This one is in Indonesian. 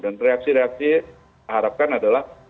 dan reaksi reaksi yang diharapkan adalah